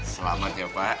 selamat ya pak